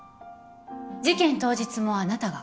事件当日もあなたが？